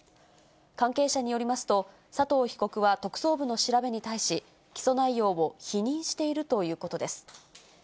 関係者によりますと、佐藤被告は特捜部の調べに対し、起訴内容を否認しているということです。